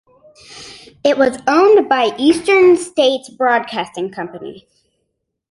It was owned by Eastern States Broadcasting Company.